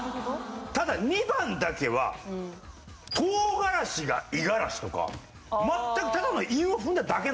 ただ２番だけは「唐辛子」が「五十嵐」とか全くただの韻を踏んだだけなんです